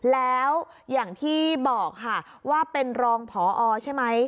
แล้วอย่างที่บอกค่ะว่าเป็นรองพอใช่ไหม